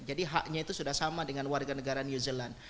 jadi haknya itu sudah sama dengan warga negara new zealand